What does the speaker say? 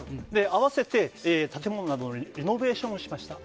あわせて、建物などのリノベーションをしました。